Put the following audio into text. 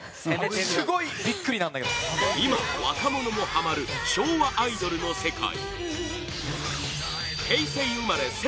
今、若者もハマる昭和アイドルの世界